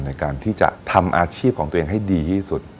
ในการที่จะทำอาชีพของตัวเองให้ดีที่สุด